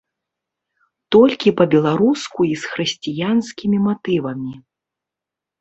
Толькі па-беларуску і з хрысціянскімі матывамі.